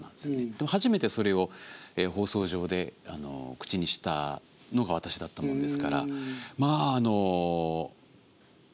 でも初めてそれを放送上で口にしたのが私だったものですからまああのさまざまな反応。